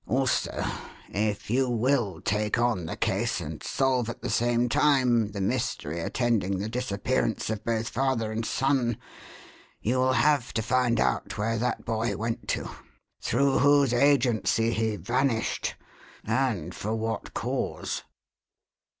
Also if you will take on the case and solve at the same time the mystery attending the disappearance of both father and son you will have to find out where that boy went to, through whose agency he vanished, and for what cause."